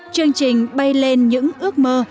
chương trình bay lên những ước mơ